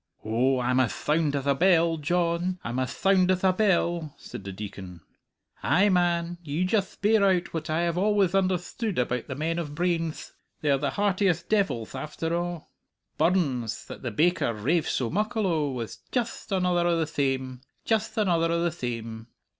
'" "Oh, I'm ath thound ath a bell, Dyohn, I'm ath thound ath a bell," said the Deacon. "Ay, man! You jutht bear out what I have alwayth underthood about the men o' brainth. They're the heartiest devilth after a'. Burns, that the baker raves so muckle o', was jutht another o' the thame jutht another o' the thame.